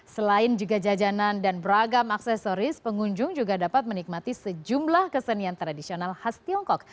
selain juga jajanan dan beragam aksesoris pengunjung juga dapat menikmati sejumlah kesenian tradisional khas tiongkok